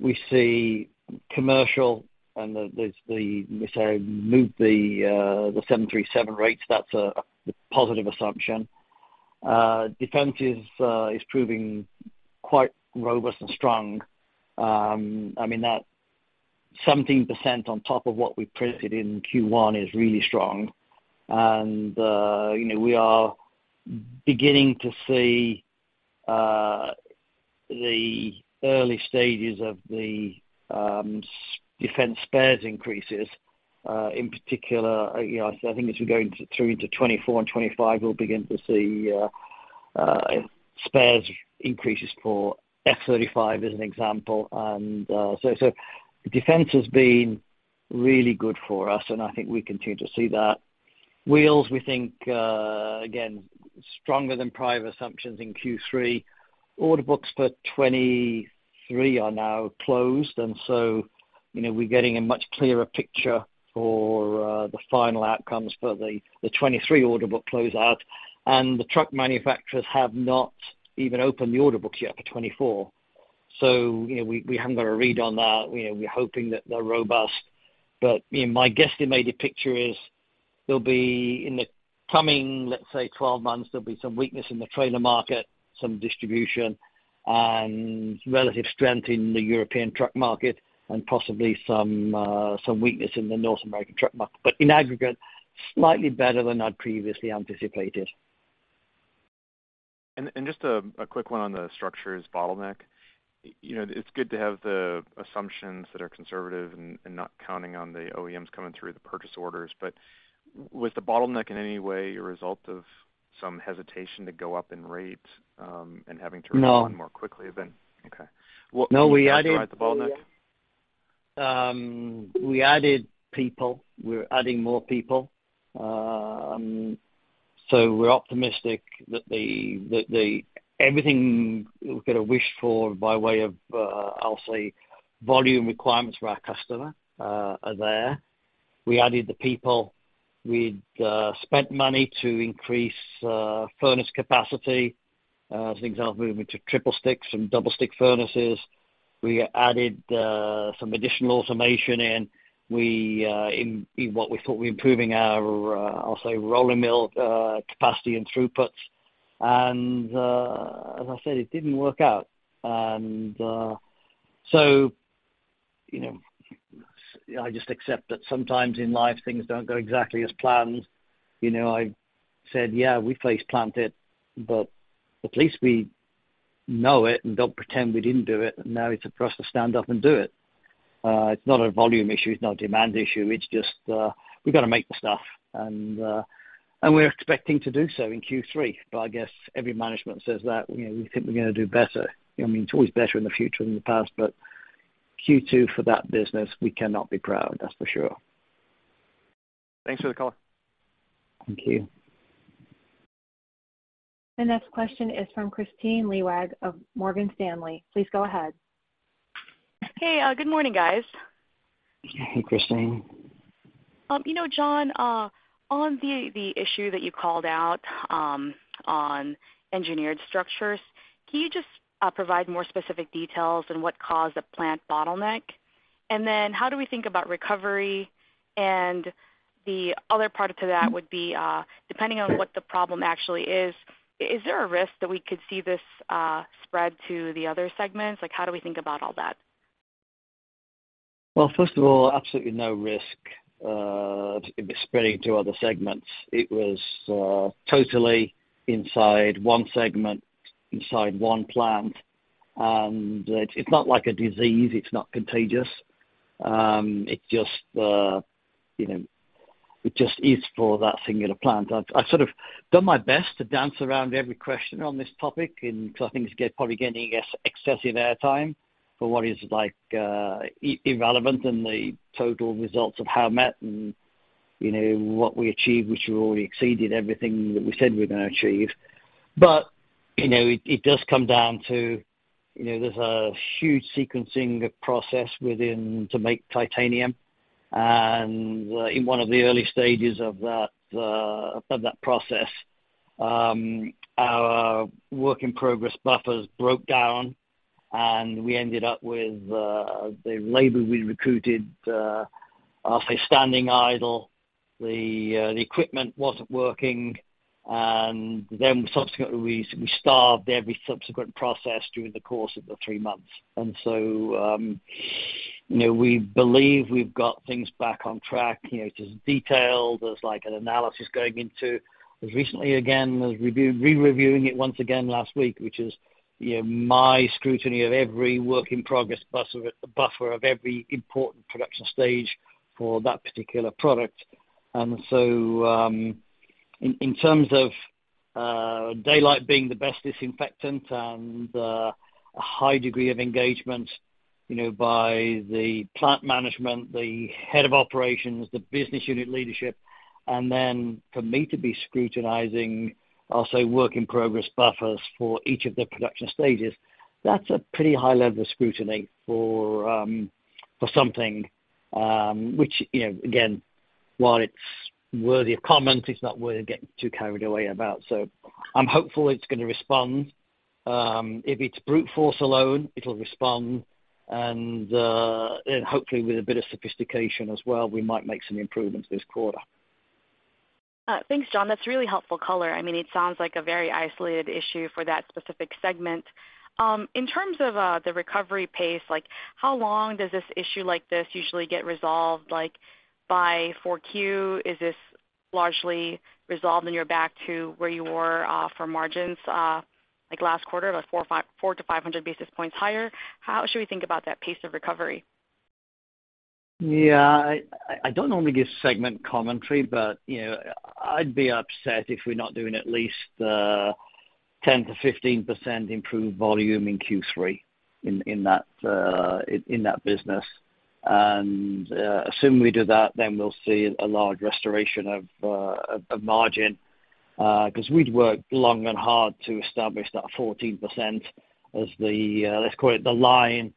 we see commercial and the, there's the, let's say, move the, the 737 rates, that's a, a positive assumption. Defense is proving quite robust and strong. I mean, that something percent on top of what we printed in Q1 is really strong. You know, we are beginning to see the early stages of the defense spares increases, in particular, you know, I think as we go into, through into 2024 and 2025, we'll begin to see spares increases for F-35 as an example. So, so defense has been really good for us, and I think we continue to see that. Wheels, we think, again, stronger than private assumptions in Q3. So, you know, we're getting a much clearer picture for the final outcomes for the 2023 order book closeout. The truck manufacturers have not even opened the order books yet for 2024. You know, we haven't got a read on that. You know, we're hoping that they're robust, you know, my guesstimated picture is there'll be, in the coming, let's say, 12 months, there'll be some weakness in the trailer market, some distribution, and relative strength in the European truck market, and possibly some weakness in the North American truck market. In aggregate, slightly better than I'd previously anticipated. Just a quick one on the structures bottleneck. You know, it's good to have the assumptions that are conservative and not counting on the OEMs coming through the purchase orders, but was the bottleneck in any way a result of some hesitation to go up in rate, and having to- No. run more quickly than, Okay. No, we. To drive the bottleneck? We added people. We're adding more people. We're optimistic that the, that the, everything we could have wished for by way of, I'll say, volume requirements for our customer, are there. We added the people. We'd spent money to increase furnace capacity. As an example, moving to triple sticks and double stick furnaces. We added some additional automation in. We, in, in what we thought we were improving our, I'll say, roller mill, capacity and throughput. As I said, it didn't work out. You know, I just accept that sometimes in life, things don't go exactly as planned. You know, I said, "Yeah, we face planted," but at least we know it and don't pretend we didn't do it, and now it's for us to stand up and do it. it's not a volume issue, it's not a demand issue, it's just, we've got to make the stuff. We're expecting to do so in Q3. I guess every management says that, you know, we think we're gonna do better. I mean, it's always better in the future than the past. Q2, for that business, we cannot be proud, that's for sure. Thanks for the call. Thank you. The next question is from Kristine Liwag of Morgan Stanley. Please go ahead. Hey, good morning, guys. Hey, Kristine. You know, John, on the, the issue that you called out, on Engineered Structures, can you just provide more specific details on what caused a plant bottleneck? Then how do we think about recovery? The other part to that would be, depending on what the problem actually is, is there a risk that we could see this spread to the other segments? Like, how do we think about all that? Well, first of all, absolutely no risk, it spreading to other segments. It was, totally inside one segment, inside one plant. It's not like a disease. It's not contagious. It just, you know, it just is for that singular plant. I've, I sort of done my best to dance around every question on this topic, and because I think it's probably getting, I guess, excessive airtime for what is like, irrelevant in the total results of Howmet and, you know, what we achieved, which we already exceeded everything that we said we're going to achieve. You know, it, it does come down to, you know, there's a huge sequencing process within to make titanium. In one of the early stages of that process, our work in progress buffers broke down, and we ended up with the labor we recruited, I'll say, standing idle. The equipment wasn't working, subsequently, we starved every subsequent process during the course of the three months. You know, we believe we've got things back on track. You know, there's details, there's like an analysis going into. As recently again, was re-reviewing it once again last week, which is, you know, my scrutiny of every work in progress buffer of every important production stage for that particular product. In terms of daylight being the best disinfectant and a high degree of engagement, you know, by the plant management, the head of operations, the business unit leadership, and then for me to be scrutinizing, I'll say, work in progress buffers for each of the production stages, that's a pretty high level of scrutiny for something which, you know, again, while it's worthy of comment, it's not worth getting too carried away about. I'm hopeful it's gonna respond. If it's brute force alone, it'll respond, and hopefully with a bit of sophistication as well, we might make some improvements this quarter. Thanks, John. That's really helpful color. I mean, it sounds like a very isolated issue for that specific segment. In terms of the recovery pace, like, how long does this issue like this usually get resolved? Like, by 4Q, is this largely resolved, and you're back to where you were for margins, like last quarter, about 400-500 basis points higher? How should we think about that pace of recovery? Yeah, I, I don't normally give segment commentary, but, you know, I'd be upset if we're not doing at least 10%-15% improved volume in Q3, in, in that, in, in that business. As soon we do that, then we'll see a large restoration of margin, because we'd worked long and hard to establish that 14% as the, let's call it the line,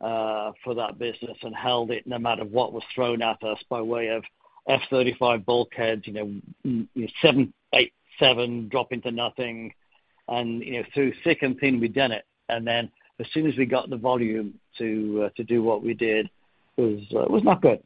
for that business and held it no matter what was thrown at us by way of F-35 bulkheads, you know, 787, dropping to nothing. You know, through thick and thin, we've done it. Then as soon as we got the volume to do what we did, it was, it was not good.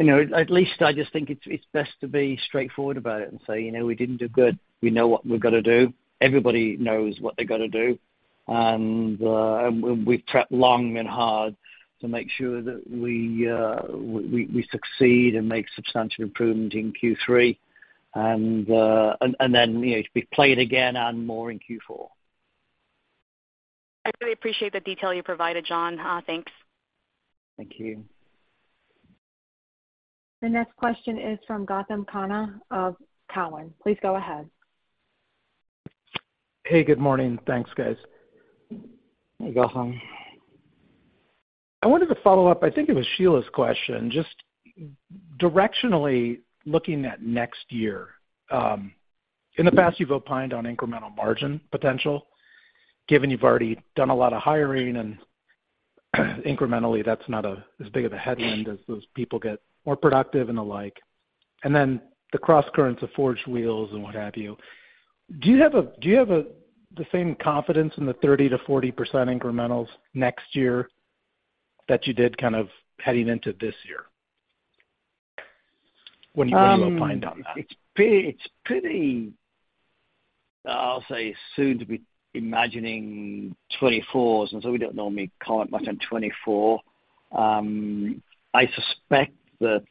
You know, at least I just think it's, it's best to be straightforward about it and say, "You know, we didn't do good. We know what we've got to do. Everybody knows what they've got to do." We've prepped long and hard to make sure that we, we succeed and make substantial improvement in Q3, and, and then, you know, to be played again and more in Q4. I really appreciate the detail you provided, John. Thanks. Thank you. The next question is from Gautam Khanna of Cowen. Please go ahead. Hey, good morning. Thanks, guys. Hey, Gautam. I wanted to follow up, I think it was Sheila's question, just directionally looking at next year. In the past, you've opined on incremental margin potential, given you've already done a lot of hiring and incrementally, that's not as big of a headwind as those people get more productive and the like, and then the crosscurrents of Forged Wheels and what have you. Do you have the same confidence in the 30%-40% incrementals next year that you did kind of heading into this year? What do you opine on that? It's pretty, it's pretty, I'll say soon to be imagining 2024s, and so we don't normally comment much on 2024. I suspect that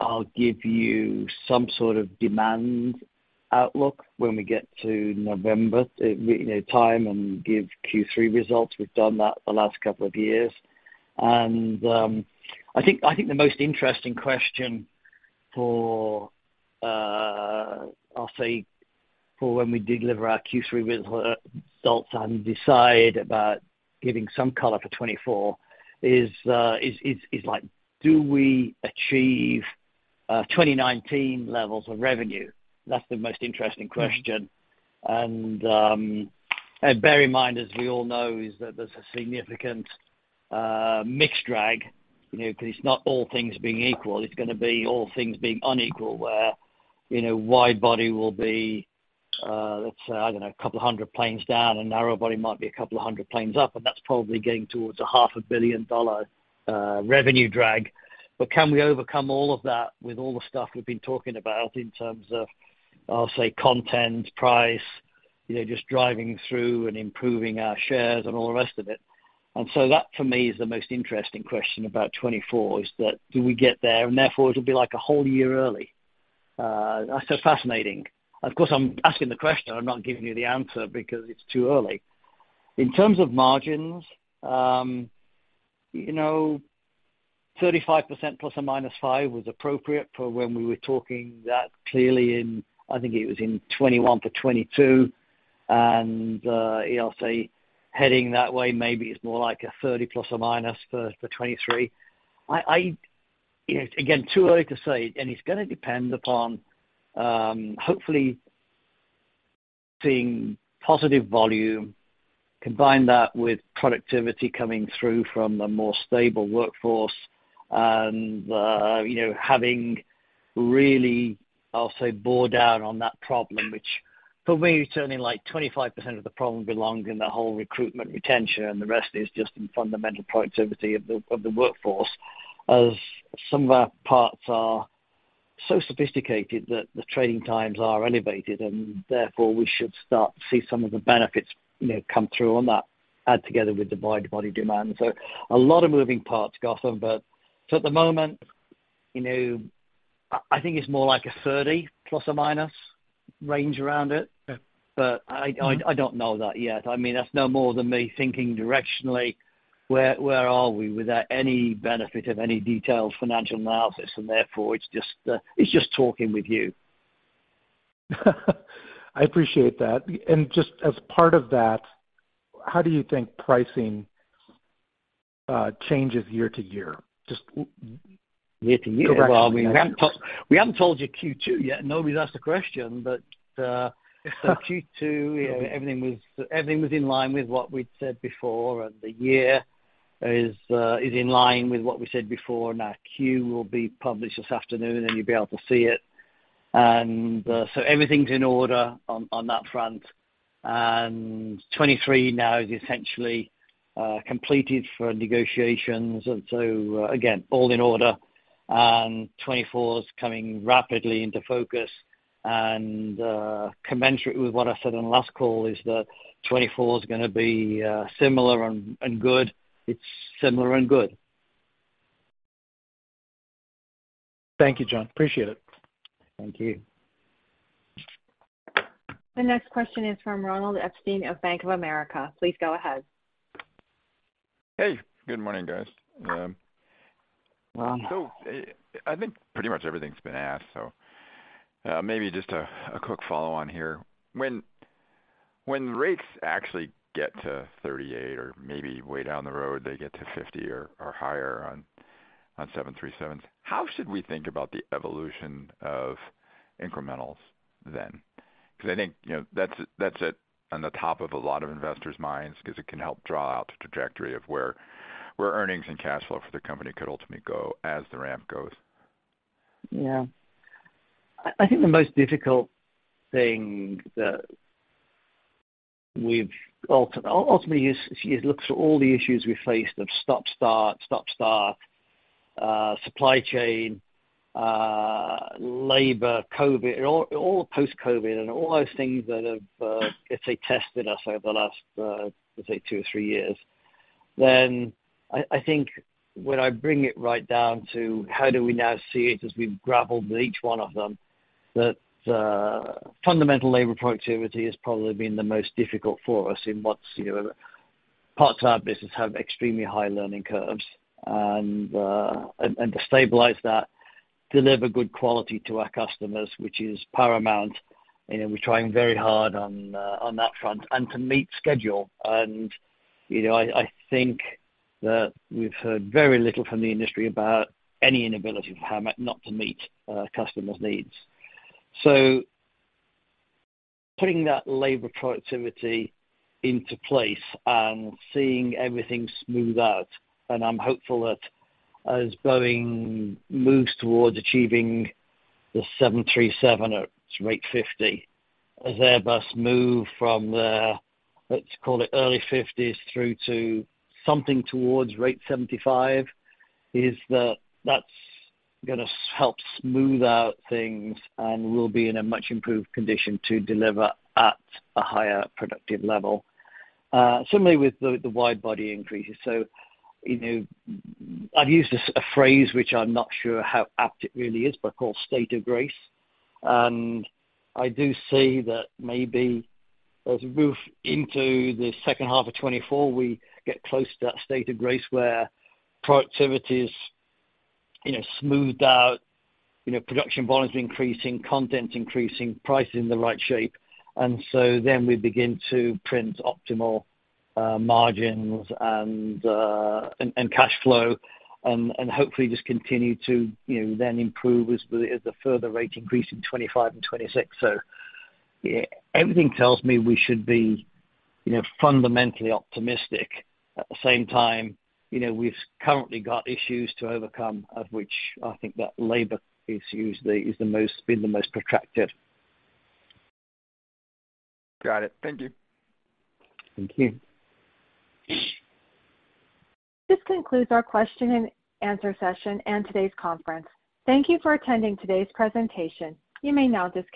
I'll give you some sort of demand outlook when we get to November, you know, time and give Q3 results. We've done that the last couple of years. I think, I think the most interesting question for, I'll say, for when we deliver our Q3 results and decide about giving some color for 2024, is, is, is like, do we achieve 2019 levels of revenue? That's the most interesting question. Mm-hmm. Bear in mind, as we all know, is that there's a significant mix drag, you know, because it's not all things being equal. It's gonna be all things being unequal, where, you know, wide body will be, let's say, I don't know, a couple of 100 planes down, and narrow body might be a couple of 100 planes up, and that's probably getting towards a $500 million revenue drag. Can we overcome all of that with all the stuff we've been talking about in terms of, I'll say, content, price, you know, just driving through and improving our shares and all the rest of it? So that, for me, is the most interesting question about 2024, is that do we get there? Therefore, it'll be like a whole year early. So fascinating. Of course, I'm asking the question, I'm not giving you the answer because it's too early. In terms of margins, you know, 35% ±5 was appropriate for when we were talking that clearly in, I think it was in 2021-2022. You know, I'll say heading that way, maybe it's more like a 30± for, for 2023. I, I, you know, again, too early to say, and it's gonna depend upon, hopefully seeing positive volume, combine that with productivity coming through from a more stable workforce and, you know, having really, I'll say, bore down on that problem, which for me, it's only like 25% of the problem belongs in the whole recruitment, retention, and the rest is just in fundamental productivity of the, of the workforce, as some of our parts are so sophisticated that the training times are elevated, and therefore we should start to see some of the benefits, you know, come through on that, add together with the wide-body demand. A lot of moving parts, Gautam, but so at the moment, you know, I, I think it's more like a 30± range around it. Okay. I, I, I don't know that yet. I mean, that's no more than me thinking directionally, where, where are we, without any benefit of any detailed financial analysis, and therefore, it's just, it's just talking with you. I appreciate that. Just as part of that, how do you think pricing changes year-to-year? Year-to-year? Correct. Well, we haven't told, we haven't told you Q2 yet. Nobody's asked a question, but so Q2, yeah, everything was, everything was in line with what we'd said before, and the year is in line with what we said before, and our Q will be published this afternoon, and you'll be able to see it. Everything's in order on that front. 2023 now is essentially completed for negotiations. Again, all in order, and 2024 coming rapidly into focus. Commensurate with what I said on the last call is that 2024 gonna be similar and good. It's similar and good. Thank you, John. Appreciate it. Thank you. The next question is from Ronald Epstein of Bank of America. Please go ahead. Hey, good morning, guys. Well. I, I think pretty much everything's been asked, maybe just a quick follow-on here. When rates actually get to 38, or maybe way down the road, they get to 50 or higher on 737s, how should we think about the evolution of incrementals then? I think, you know, that's, that's at, on the top of a lot of investors' minds, because it can help draw out the trajectory of where, where earnings and cash flow for the company could ultimately go as the ramp goes. Yeah. I, I think the most difficult thing that we've ultimately, is, is look through all the issues we faced of stop, start, stop, start, supply chain, labor, COVID-19, all, all post-COVID-19, and all those things that have, let's say, tested us over the last, let's say two or three years. Then I, I think when I bring it right down to how do we now see it as we've grappled with each one of them, that fundamental labor productivity has probably been the most difficult for us in what's, you know, parts of our business have extremely high learning curves. And, and to stabilize that, deliver good quality to our customers, which is paramount, you know, we're trying very hard on that front and to meet schedule. You know, I, I think that we've heard very little from the industry about any inability for Howmet not to meet customers' needs. Putting that labor productivity into place and seeing everything smooth out, and I'm hopeful that as Boeing moves towards achieving the 737 at rate 50, as Airbus move from the, let's call it early 50s through to something towards rate 75, is that, that's gonna help smooth out things and we'll be in a much improved condition to deliver at a higher productive level. Similarly with the, the wide body increases. You know, I've used this, a phrase which I'm not sure how apt it really is, but called state of grace. I do see that maybe as we move into the second half of 2024, we get close to that state of grace where productivity is, you know, smoothed out, you know, production volume is increasing, content increasing, price is in the right shape, and so then we begin to print optimal margins and, and cash flow, and, and hopefully just continue to, you know, then improve as the, as the further rate increase in 2025 and 2026. Yeah, everything tells me we should be, you know, fundamentally optimistic. At the same time, you know, we've currently got issues to overcome, of which I think that labor issue is the, is the most, been the most protracted. Got it. Thank you. Thank you. This concludes our question and answer session and today's conference. Thank you for attending today's presentation. You may now disconnect.